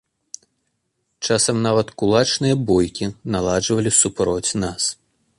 Часам нават кулачныя бойкі наладжвалі супроць нас.